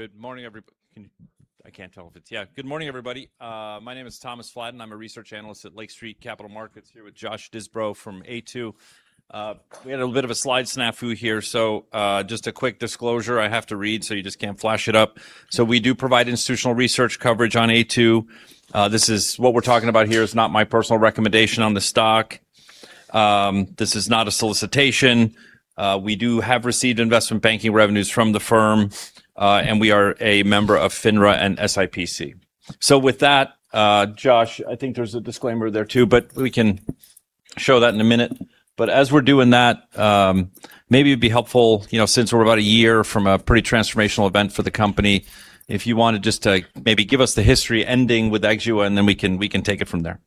Good morning, everybody. I can't tell if it's. Good morning, everybody. My name is Thomas Flaten, I'm a research analyst at Lake Street Capital Markets here with Josh Disbrow from Aytu. We had a bit of a slide snafu here, just a quick disclosure I have to read, you just can't flash it up. We do provide institutional research coverage on Aytu. What we're talking about here is not my personal recommendation on the stock. This is not a solicitation. We do have received investment banking revenues from the firm, we are a member of FINRA and SIPC. With that, Josh, I think there's a disclaimer there too, we can show that in a minute. As we're doing that, maybe it'd be helpful, since we're about a year from a pretty transformational event for the company, if you wanted just to maybe give us the history ending with EXXUA, then we can take it from there.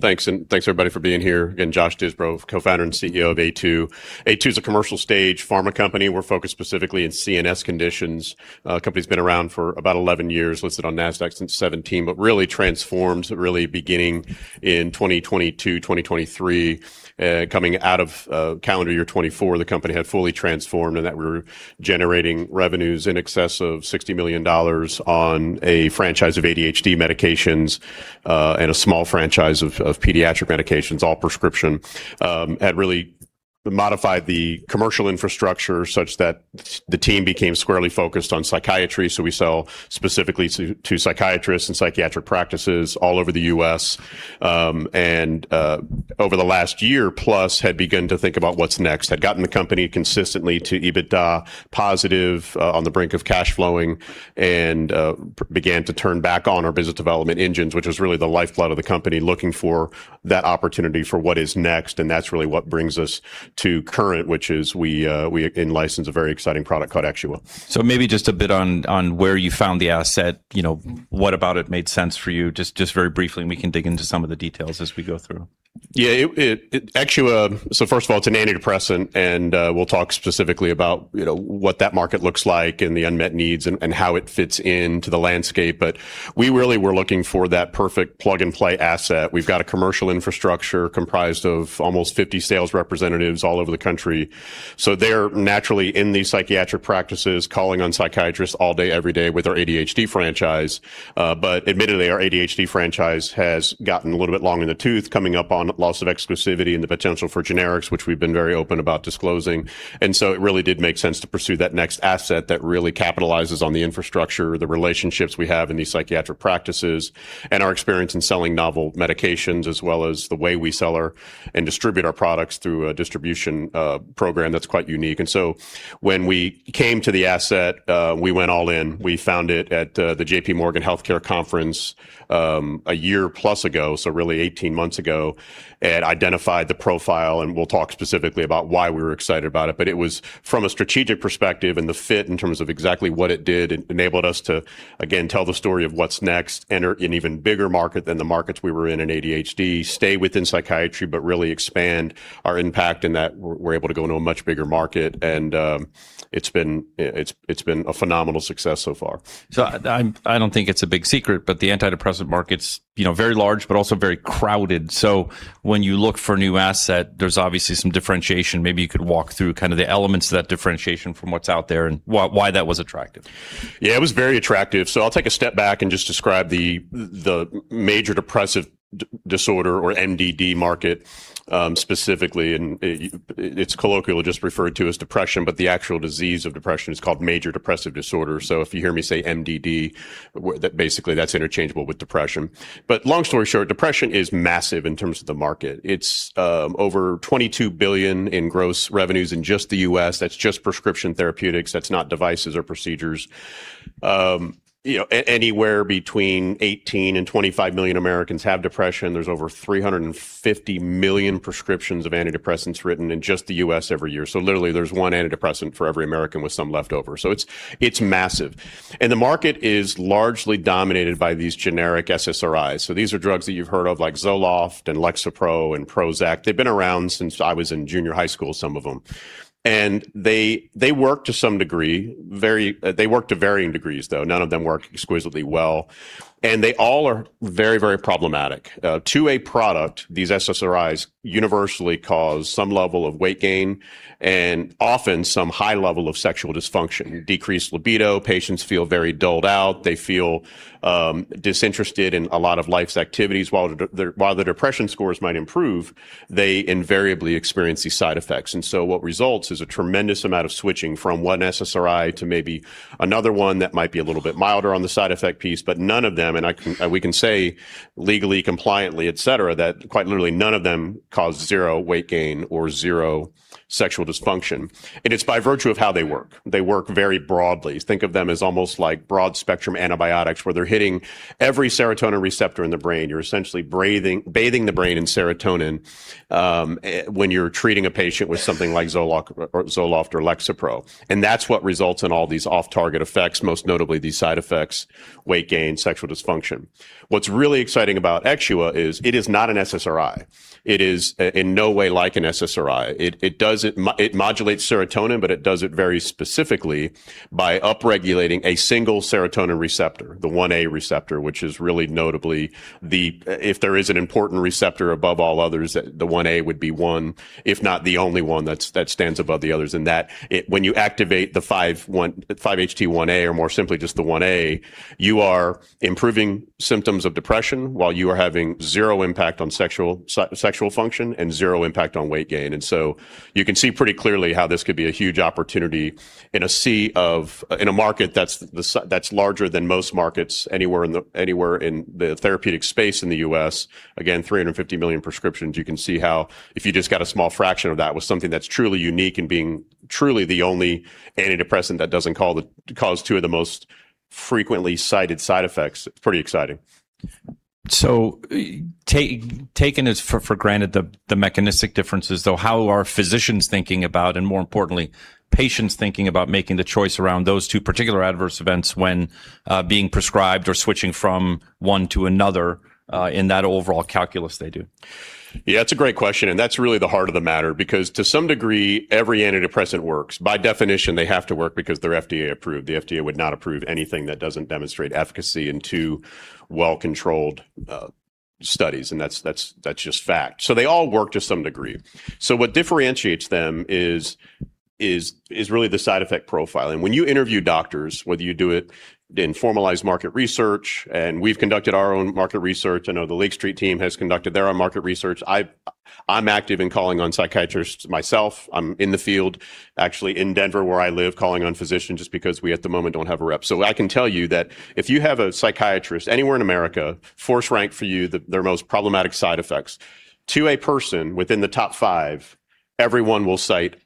Thanks, thanks, everybody, for being here. Again, Josh Disbrow, co-founder and CEO of Aytu. Aytu's a commercial stage pharma company. We're focused specifically in CNS conditions. Company's been around for about 11 years, listed on Nasdaq since 2017, really transformed, really beginning in 2022, 2023. Coming out of calendar year 2024, the company had fully transformed in that we were generating revenues in excess of $60 million on a franchise of ADHD medications, a small franchise of pediatric medications, all prescription. Had really modified the commercial infrastructure such that the team became squarely focused on psychiatry, we sell specifically to psychiatrists and psychiatric practices all over the U.S. Over the last year plus, had begun to think about what's next. Had gotten the company consistently to EBITDA positive, on the brink of cash flowing, began to turn back on our business development engines, which was really the lifeblood of the company, looking for that opportunity for what is next, that's really what brings us to current, which is we in-licensed a very exciting product called EXXUA. Maybe just a bit on where you found the asset, what about it made sense for you, just very briefly, and we can dig into some of the details as we go through. Yeah, EXXUA. First of all, it's an antidepressant, and we'll talk specifically about what that market looks like and the unmet needs and how it fits into the landscape. We really were looking for that perfect plug-and-play asset. We've got a commercial infrastructure comprised of almost 50 sales representatives all over the country. They're naturally in these psychiatric practices, calling on psychiatrists all day, every day with our ADHD franchise. Admittedly, our ADHD franchise has gotten a little bit long in the tooth, coming up on loss of exclusivity and the potential for generics, which we've been very open about disclosing. It really did make sense to pursue that next asset that really capitalizes on the infrastructure, the relationships we have in these psychiatric practices, and our experience in selling novel medications, as well as the way we sell and distribute our products through a distribution program that's quite unique. When we came to the asset, we went all in. We found it at the J.P. Morgan Healthcare Conference a year plus ago, really 18 months ago, and identified the profile, and we'll talk specifically about why we were excited about it. It was from a strategic perspective and the fit in terms of exactly what it did, it enabled us to, again, tell the story of what's next, enter an even bigger market than the markets we were in in ADHD, stay within psychiatry, but really expand our impact in that we're able to go into a much bigger market, and it's been a phenomenal success so far. I don't think it's a big secret, but the antidepressant market's very large, but also very crowded. When you look for a new asset, there's obviously some differentiation. Maybe you could walk through kind of the elements to that differentiation from what's out there and why that was attractive. It was very attractive. I'll take a step back and just describe the Major Depressive Disorder, or MDD market specifically, and it's colloquially just referred to as depression, but the actual disease of depression is called Major Depressive Disorder. If you hear me say MDD, basically that's interchangeable with depression. Long story short, depression is massive in terms of the market. It's over $22 billion in gross revenues in just the U.S. That's just prescription therapeutics. That's not devices or procedures. Anywhere between 18 million-25 million Americans have depression. There's over 350 million prescriptions of antidepressants written in just the U.S. every year. Literally, there's one antidepressant for every American with some left over. It's massive. The market is largely dominated by these generic SSRIs. These are drugs that you've heard of, like ZOLOFT and Lexapro and Prozac. They've been around since I was in junior high school, some of them. They work to some degree. They work to varying degrees, though. None of them work exquisitely well. They all are very problematic. To a product, these SSRIs universally cause some level of weight gain and often some high level of sexual dysfunction. Decreased libido, patients feel very dulled out. They feel disinterested in a lot of life's activities. While their depression scores might improve, they invariably experience these side effects. What results is a tremendous amount of switching from one SSRI to maybe another one that might be a little bit milder on the side effect piece, but none of them, and we can say legally, compliantly, et cetera, that quite literally none of them cause zero weight gain or zero sexual dysfunction. It's by virtue of how they work. They work very broadly. Think of them as almost like broad-spectrum antibiotics, where they're hitting every serotonin receptor in the brain. You're essentially bathing the brain in serotonin when you're treating a patient with something like ZOLOFT or Lexapro. That's what results in all these off-target effects, most notably these side effects, weight gain, sexual dysfunction. What's really exciting about EXXUA is it is not an SSRI. It is in no way like an SSRI. It modulates serotonin, but it does it very specifically by up-regulating a single serotonin receptor, the 5-HT1A receptor, which is really notably. If there is an important receptor above all others, the 1A would be one, if not the only one that stands above the others. When you activate the 5-HT1A, or more simply just the 1A, you are improving symptoms of depression while you are having zero impact on sexual function and zero impact on weight gain. You can see pretty clearly how this could be a huge opportunity in a market that's larger than most markets anywhere in the therapeutic space in the U.S. Again, 350 million prescriptions. You can see how, if you just got a small fraction of that with something that's truly unique and being truly the only antidepressant that doesn't cause two of the most frequently cited side effects, it's pretty exciting. Taking this for granted the mechanistic differences, though, how are physicians thinking about, and more importantly, patients thinking about making the choice around those two particular adverse events when being prescribed or switching from one to another in that overall calculus they do? It's a great question, and that's really the heart of the matter because, to some degree, every antidepressant works. By definition, they have to work because they're FDA-approved. The FDA would not approve anything that doesn't demonstrate efficacy in two well-controlled studies, and that's just fact. They all work to some degree. What differentiates them is really the side effect profile. When you interview doctors, whether you do it in formalized market research, and we've conducted our own market research. I know the Lake Street team has conducted their own market research. I'm active in calling on psychiatrists myself. I'm in the field, actually in Denver, where I live, calling on physicians just because we at the moment don't have a rep. I can tell you that if you have a psychiatrist anywhere in America force rank for you their most problematic side effects, to a person within the top five, everyone will cite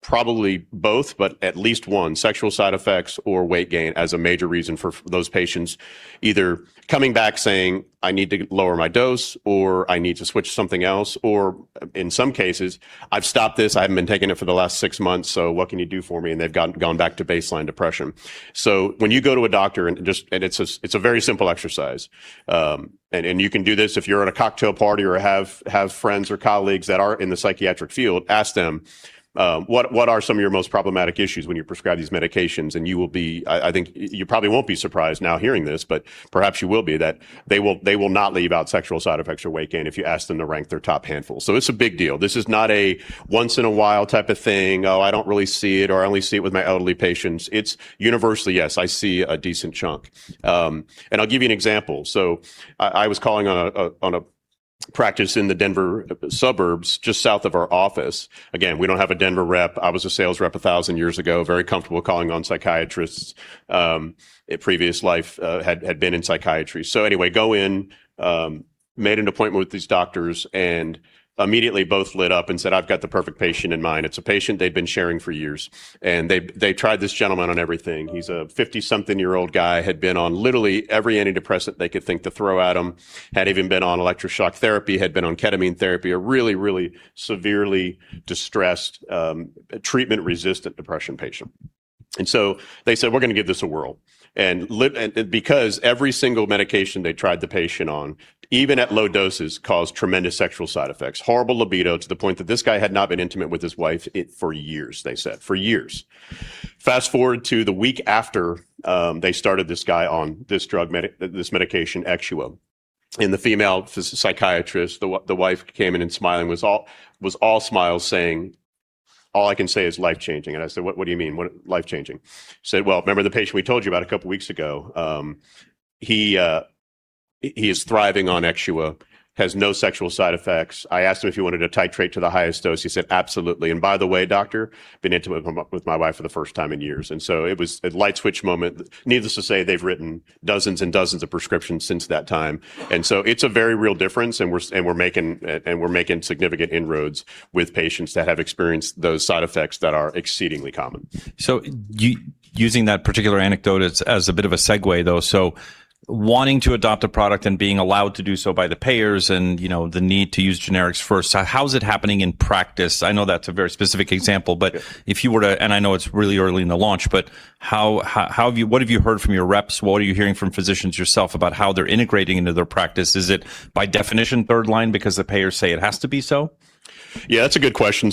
probably both, but at least one, sexual side effects or weight gain as a major reason for those patients either coming back saying, "I need to lower my dose," or, "I need to switch to something else," or in some cases, "I've stopped this. I haven't been taking it for the last six months, so what can you do for me?" They've gone back to baseline depression. When you go to a doctor, and it's a very simple exercise, and you can do this if you're at a cocktail party or have friends or colleagues that are in the psychiatric field. Ask them, "What are some of your most problematic issues when you prescribe these medications?" You will be, I think you probably won't be surprised now hearing this, but perhaps you will be, that they will not leave out sexual side effects or weight gain if you ask them to rank their top handful. It's a big deal. This is not a once in a while type of thing. "Oh, I don't really see it," or, "I only see it with my elderly patients." It's universally, "Yes, I see a decent chunk." I'll give you an example. I was calling on a practice in the Denver suburbs just south of our office. Again, we don't have a Denver rep. I was a sales rep 1,000 years ago, very comfortable calling on psychiatrists. A previous life had been in psychiatry. Anyway, go in, made an appointment with these doctors, immediately both lit up and said, "I've got the perfect patient in mind." It's a patient they'd been sharing for years, they tried this gentleman on everything. He's a 50-something-year-old guy, had been on literally every antidepressant they could think to throw at him, had even been on electroshock therapy, had been on ketamine therapy. A really severely distressed, treatment-resistant depression patient. They said, "We're going to give this a whirl." Because every single medication they tried the patient on, even at low doses, caused tremendous sexual side effects, horrible libido to the point that this guy had not been intimate with his wife for years, they said. For years. Fast-forward to the week after they started this guy on this medication, EXXUA, the female psychiatrist, the wife came in and smiling, was all smiles saying, "All I can say it's life-changing." I said, "What do you mean life-changing?" She said, "Well, remember the patient we told you about a couple weeks ago? He is thriving on EXXUA, has no sexual side effects. I asked him if he wanted to titrate to the highest dose. He said, 'Absolutely. By the way, doctor, been intimate with my wife for the first time in years.'" It was a light switch moment. Needless to say, they've written dozens and dozens of prescriptions since that time. It's a very real difference, and we're making significant inroads with patients that have experienced those side effects that are exceedingly common. Using that particular anecdote as a bit of a segue, though, so wanting to adopt a product and being allowed to do so by the payers and the need to use generics first, how is it happening in practice? I know that's a very specific example. Yeah. If you were to, and I know it's really early in the launch, what have you heard from your reps? What are you hearing from physicians yourself about how they're integrating into their practice? Is it by definition third line because the payers say it has to be so? Yeah, that's a good question.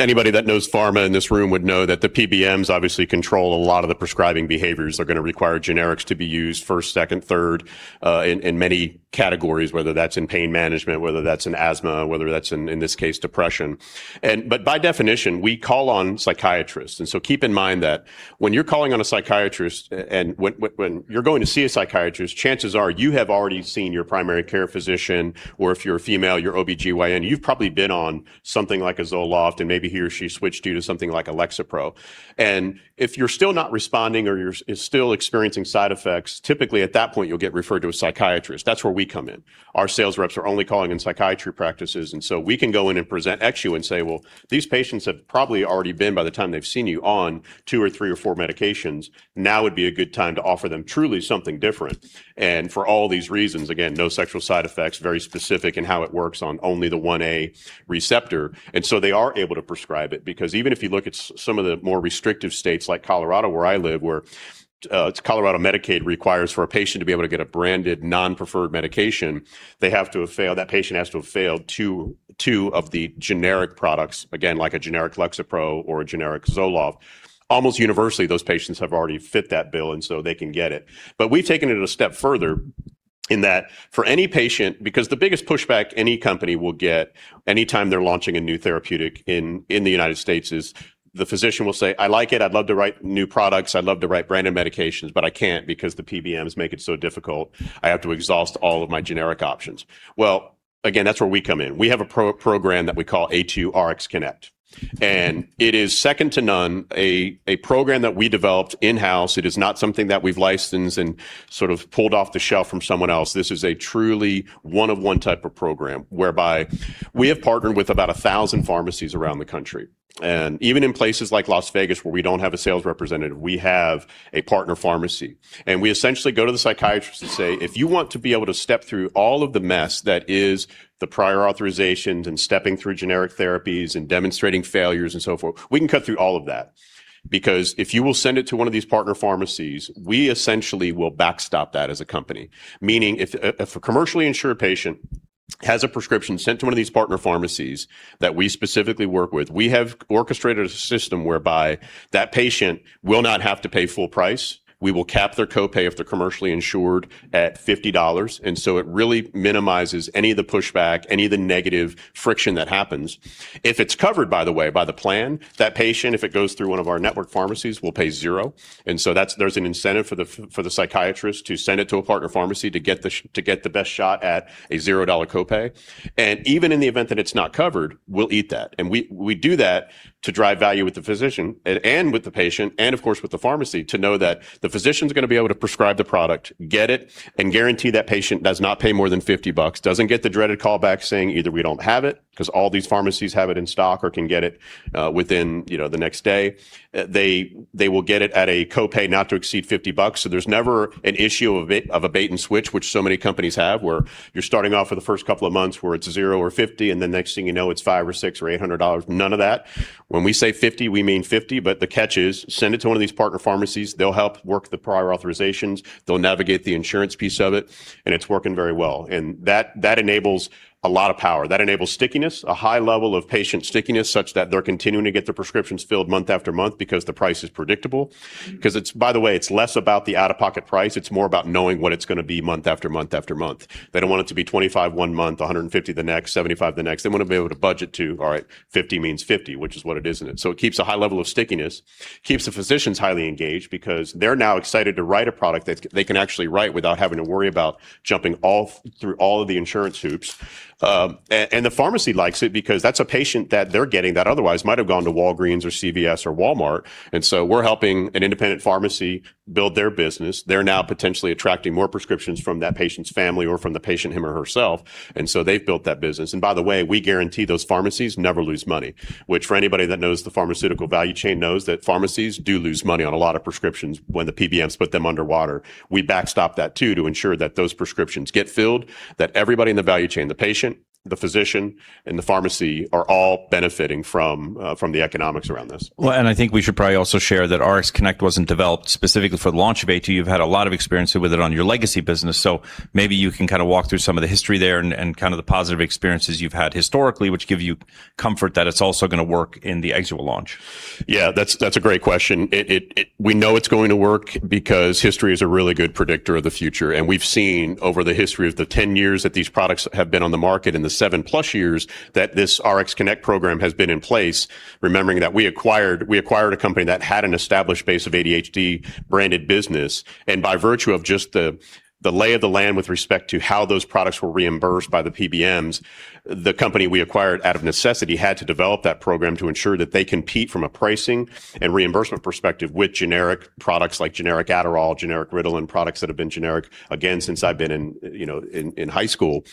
Anybody that knows pharma in this room would know that the PBMs obviously control a lot of the prescribing behaviors. They're going to require generics to be used first, second, third in many categories, whether that's in pain management, whether that's in asthma, whether that's in this case, depression. By definition, we call on psychiatrists. Keep in mind that when you're calling on a psychiatrist and when you're going to see a psychiatrist, chances are you have already seen your primary care physician or if you're a female, your OBGYN. You've probably been on something like a ZOLOFT, and maybe he or she switched you to something like a Lexapro. If you're still not responding or you're still experiencing side effects, typically at that point you'll get referred to a psychiatrist. That's where we come in. Our sales reps are only calling in psychiatry practices, we can go in and present EXXUA and say, "Well, these patients have probably already been, by the time they've seen you, on two or three or four medications. Now would be a good time to offer them truly something different." For all these reasons, again, no sexual side effects, very specific in how it works on only the 1A receptor. They are able to prescribe it because even if you look at some of the more restrictive states like Colorado, where I live, where Colorado Medicaid requires for a patient to be able to get a branded non-preferred medication, that patient has to have failed two of the generic products, again, like a generic Lexapro or a generic ZOLOFT. Almost universally, those patients have already fit that bill, they can get it. We've taken it a step further in that, for any patient, because the biggest pushback any company will get anytime they're launching a new therapeutic in the U.S. is the physician will say, "I like it. I'd love to write new products. I'd love to write branded medications, but I can't because the PBMs make it so difficult. I have to exhaust all of my generic options." Well, again, that's where we come in. We have a program that we call Aytu RxConnect, it is second to none. A program that we developed in-house. It is not something that we've licensed and sort of pulled off the shelf from someone else. This is a truly one of one type of program whereby we have partnered with about 1,000 pharmacies around the country, even in places like Las Vegas where we don't have a sales representative, we have a partner pharmacy. We essentially go to the psychiatrist and say, "If you want to be able to step through all of the mess that is the prior authorizations and stepping through generic therapies and demonstrating failures and so forth, we can cut through all of that. If you will send it to one of these partner pharmacies, we essentially will backstop that as a company." Meaning if a commercially insured patient has a prescription sent to one of these partner pharmacies that we specifically work with, we have orchestrated a system whereby that patient will not have to pay full price. We will cap their copay if they're commercially insured at $50. It really minimizes any of the pushback, any of the negative friction that happens. If it's covered, by the way, by the plan, that patient, if it goes through one of our network pharmacies, will pay $0. There's an incentive for the psychiatrist to send it to a partner pharmacy to get the best shot at a $0 copay. Even in the event that it's not covered, we'll eat that. We do that to drive value with the physician and with the patient and, of course, with the pharmacy to know that the physician's going to be able to prescribe the product, get it, and guarantee that patient does not pay more than $50, doesn't get the dreaded callback saying either we don't have it because all these pharmacies have it in stock or can get it within the next day. They will get it at a copay not to exceed $50, so there's never an issue of a bait and switch, which so many companies have, where you're starting off for the first couple of months where it's $0 or $50, then next thing you know it's $5 or $6 or $800. None of that. When we say $50, we mean $50. The catch is, send it to one of these partner pharmacies. They'll help work the prior authorizations, they'll navigate the insurance piece of it's working very well. That enables a lot of power. That enables stickiness, a high level of patient stickiness, such that they're continuing to get their prescriptions filled month after month because the price is predictable. It's, by the way, it's less about the out-of-pocket price. It's more about knowing what it's going to be month after month after month. They don't want it to be $25 one month, $150 the next, $75 the next. They want to be able to budget to, all right, $50 means $50, which is what it is, isn't it? It keeps a high level of stickiness, keeps the physicians highly engaged because they're now excited to write a product that they can actually write without having to worry about jumping through all of the insurance hoops. The pharmacy likes it because that's a patient that they're getting that otherwise might have gone to Walgreens or CVS or Walmart. We're helping an independent pharmacy build their business. They're now potentially attracting more prescriptions from that patient's family or from the patient him or herself. They've built that business. By the way, we guarantee those pharmacies never lose money, which for anybody that knows the pharmaceutical value chain knows that pharmacies do lose money on a lot of prescriptions when the PBMs put them underwater. We backstop that too to ensure that those prescriptions get filled, that everybody in the value chain, the patient, the physician, and the pharmacy are all benefiting from the economics around this. I think we should probably also share that RxConnect wasn't developed specifically for the launch of Aytu. You've had a lot of experience with it on your legacy business. Maybe you can kind of walk through some of the history there and kind of the positive experiences you've had historically which give you comfort that it's also going to work in the EXXUA launch. That's a great question. We know it's going to work because history is a really good predictor of the future. We've seen over the history of the 10 years that these products have been on the market and the 7+ years that this RxConnect program has been in place, remembering that we acquired a company that had an established base of ADHD-branded business. By virtue of just the lay of the land with respect to how those products were reimbursed by the PBMs, the company we acquired out of necessity had to develop that program to ensure that they compete from a pricing and reimbursement perspective with generic products like generic Adderall, generic Ritalin, products that have been generic, again, since I've been in high school.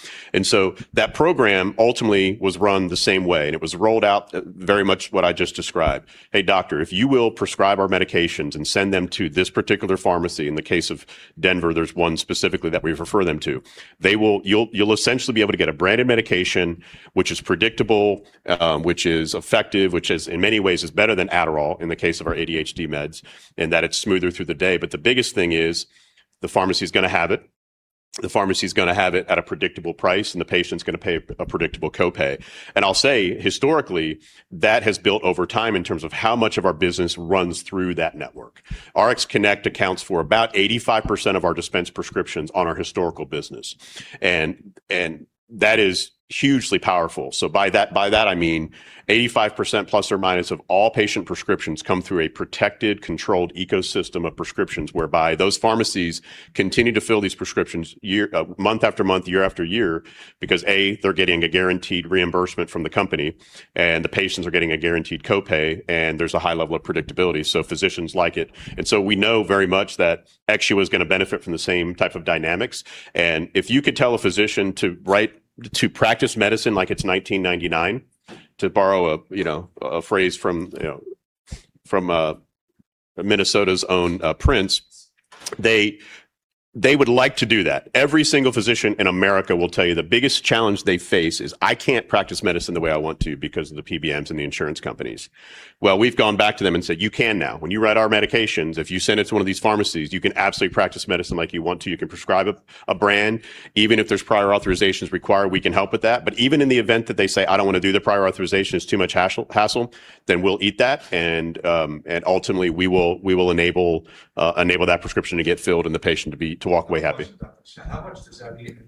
That program ultimately was run the same way. It was rolled out very much what I just described. "Hey, doctor, if you will prescribe our medications and send them to this particular pharmacy," in the case of Denver, there's one specifically that we refer them to, "you'll essentially be able to get a branded medication, which is predictable, which is effective, which is in many ways is better than Adderall," in the case of our ADHD meds, "in that it's smoother through the day. The biggest thing is the pharmacy's going to have it. The pharmacy's going to have it at a predictable price, and the patient's going to pay a predictable copay." I'll say historically, that has built over time in terms of how much of our business runs through that network. RxConnect accounts for about 85% of our dispensed prescriptions on our historical business. That is hugely powerful. By that I mean 85%± of all patient prescriptions come through a protected, controlled ecosystem of prescriptions whereby those pharmacies continue to fill these prescriptions month after month, year after year because, A, they're getting a guaranteed reimbursement from the company, and the patients are getting a guaranteed copay, and there's a high level of predictability, so physicians like it. We know very much that EXXUA is going to benefit from the same type of dynamics. If you could tell a physician to practice medicine like it's 1999, to borrow a phrase from Minnesota's own Prince, they would like to do that. Every single physician in America will tell you the biggest challenge they face is I can't practice medicine the way I want to because of the PBMs and the insurance companies. We've gone back to them and said, "You can now. When you write our medications, if you send it to one of these pharmacies, you can absolutely practice medicine like you want to. You can prescribe a brand. Even if there's prior authorizations required, we can help with that." Even in the event that they say, "I don't want to do the prior authorization, it's too much hassle," then we'll eat that, and ultimately we will enable that prescription to get filled and the patient to walk away happy. How much does that mean?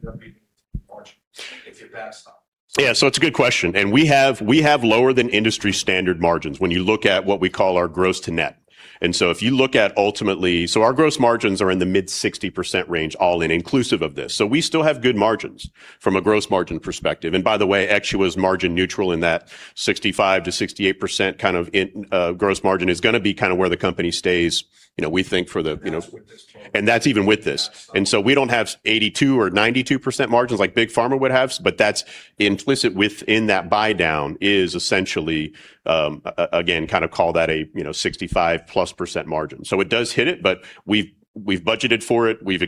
If you're backstop. It's a good question. We have lower than industry standard margins when you look at what we call our gross to net. If you look at ultimately, our gross margins are in the mid-60% range, all-in, inclusive of this. We still have good margins from a gross margin perspective. By the way, EXXUA was margin neutral in that 65%-68% gross margin is going to be kind of where the company stays, we think for the- that's with this that's even with this. Backstop. We don't have 82% or 92% margins like big pharma would have, but that's implicit within that buy down is essentially, again, kind of call that a 65%+ margin. It does hit it, but we've budgeted for it. Ryan,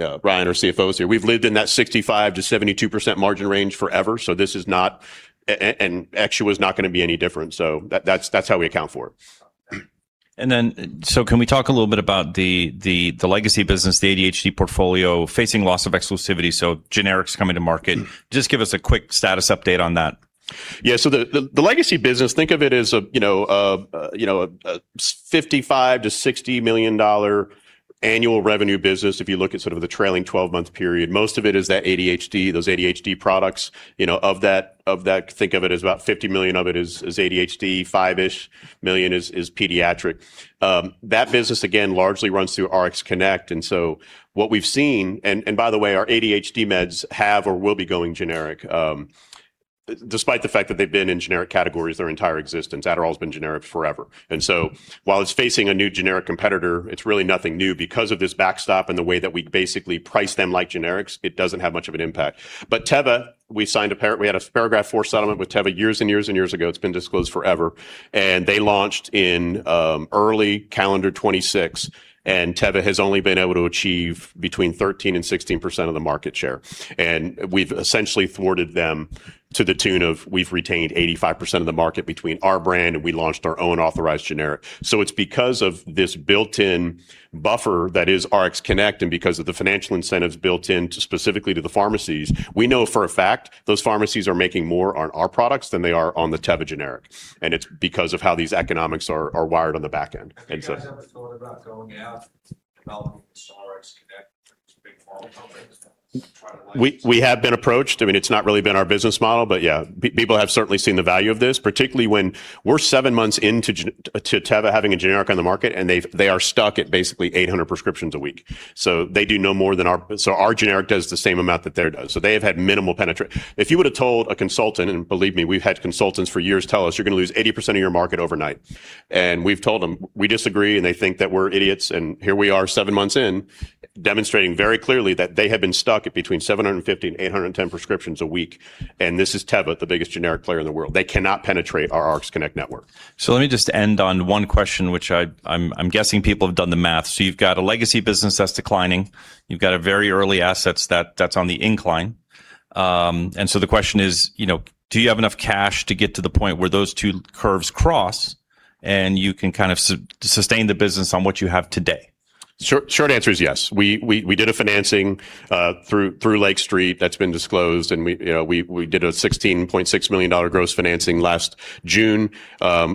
our CFO, is here. We've lived in that 65%-72% margin range forever, and EXXUA is not going to be any different. That's how we account for it. Okay. Can we talk a little bit about the legacy business, the ADHD portfolio facing loss of exclusivity, so generics coming to market. Just give us a quick status update on that. Yeah. The legacy business, think of it as a $55 million-$60 million annual revenue business, if you look at sort of the trailing 12-month period. Most of it is that ADHD, those ADHD products. Of that, think of it as about $50 million of it is ADHD, five-ish million is pediatric. That business, again, largely runs through Aytu RxConnect. What we've seen, and by the way, our ADHD meds have or will be going generic, despite the fact that they've been in generic categories their entire existence. Adderall's been generic forever. While it's facing a new generic competitor, it's really nothing new. Because of this backstop and the way that we basically price them like generics, it doesn't have much of an impact. Teva, we had a Paragraph IV settlement with Teva years and years ago. It's been disclosed forever. They launched in early calendar 2026, and Teva has only been able to achieve between 13% and 16% of the market share. We've essentially thwarted them to the tune of we've retained 85% of the market between our brand, and we launched our own authorized generic. It's because of this built-in buffer that is Aytu RxConnect and because of the financial incentives built in specifically to the pharmacies. We know for a fact those pharmacies are making more on our products than they are on the Teva generic, and it's because of how these economics are wired on the back end. Have you guys ever thought about going out and developing this Aytu RxConnect for these big pharma companies to try to license it? We have been approached. It's not really been our business model, but yeah. People have certainly seen the value of this, particularly when we're seven months into Teva having a generic on the market, and they are stuck at basically 800 prescriptions a week. Our generic does the same amount that theirs does. They have had minimal penetration. If you would've told a consultant, and believe me, we've had consultants for years tell us, "You're going to lose 80% of your market overnight." We've told them we disagree, and they think that we're idiots, and here we are seven months in demonstrating very clearly that they have been stuck at between 750 and 810 prescriptions a week, and this is Teva, the biggest generic player in the world. They cannot penetrate our RxConnect network. Let me just end on one question, which I'm guessing people have done the math. You've got a legacy business that's declining. You've got a very early assets that's on the incline. The question is, do you have enough cash to get to the point where those two curves cross and you can kind of sustain the business on what you have today? Short answer is yes. We did a financing through Lake Street that's been disclosed. We did a $16.6 million gross financing last June.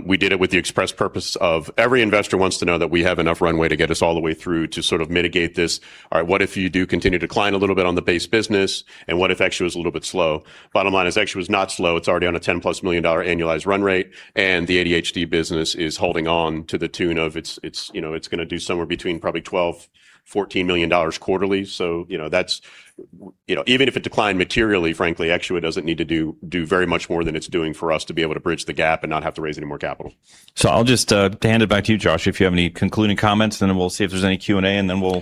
We did it with the express purpose of every investor wants to know that we have enough runway to get us all the way through to sort of mitigate this, all right, what if you do continue to decline a little bit on the base business, what if EXXUA is a little bit slow? Bottom line is EXXUA is not slow. It's already on a $10+ million annualized run rate. The ADHD business is holding on to the tune of it's going to do somewhere between probably $12 million, $14 million quarterly. Even if it declined materially, frankly, EXXUA doesn't need to do very much more than it's doing for us to be able to bridge the gap and not have to raise any more capital. I'll just hand it back to you, Josh, if you have any concluding comments. We'll see if there's any Q&A.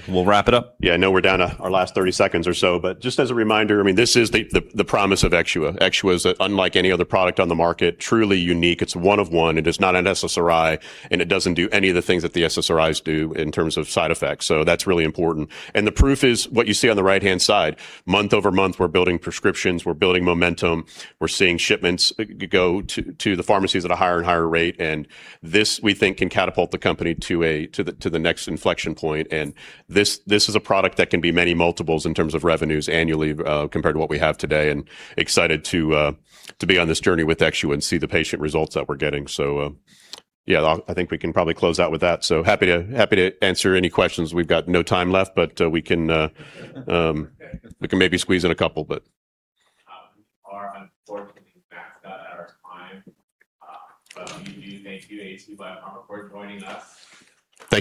We'll wrap it up. I know we're down to our last 30 seconds or so, just as a reminder, this is the promise of EXXUA. EXXUA is, unlike any other product on the market, truly unique. It's one of one. It is not an SSRI, and it doesn't do any of the things that the SSRIs do in terms of side effects. That's really important. The proof is what you see on the right-hand side. Month-over-month, we're building prescriptions, we're building momentum. We're seeing shipments go to the pharmacies at a higher and higher rate, and this, we think, can catapult the company to the next inflection point. This is a product that can be many multiples in terms of revenues annually, compared to what we have today. Excited to be on this journey with EXXUA and see the patient results that we're getting. I think we can probably close out with that. Happy to answer any questions. We've got no time left, we can maybe squeeze in a couple. We are unfortunately maxed out at our time. We do thank you, Aytu BioPharma, for joining us. Thank you.